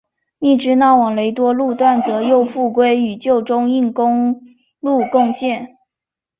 密支那往雷多路段则又复归与旧中印公路共线。